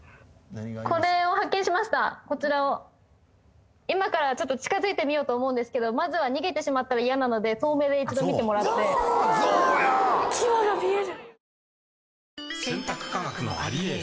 これを発見しましたこちらを今からちょっと近づいてみようと思うんですけどまずは逃げてしまったら嫌なので遠目で一度見てもらって象や！